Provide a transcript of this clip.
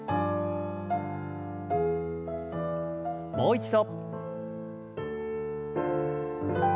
もう一度。